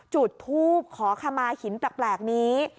จุดทูบขอคำมาหินตักแปลกนี้